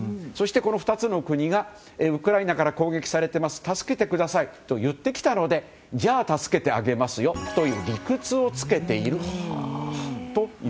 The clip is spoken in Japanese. そして、この２つの国がウクライナから攻撃されています助けてくださいと言ってきたのでじゃあ助けてあげますよという理屈をつけているわけです。